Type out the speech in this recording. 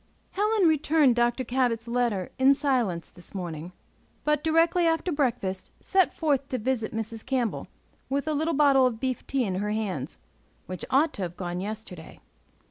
HELEN returned Dr. Cabot's letter in silence this morning, but, directly after breakfast, set forth to visit Mrs. Campbell, with the little bottle of beef tea in her hands, which ought to have gone yesterday.